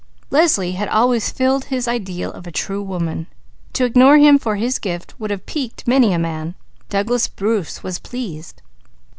Leslie had always filled his ideal of a true woman. To ignore him for his gift would have piqued many a man; Douglas Bruce was pleased.